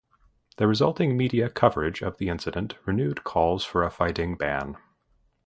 The resulting media coverage of the incident renewed calls for a fighting ban.